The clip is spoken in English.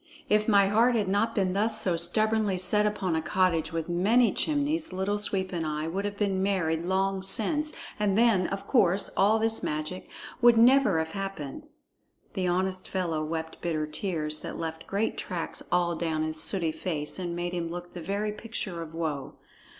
If my heart had not been thus so stubbornly set upon a cottage with many chimneys, Little Sweep and I would have been married long since, and then, of course, all this magic would never have happened." The honest fellow wept bitter tears that left great tracks all down his sooty face and made him look the very picture of woe.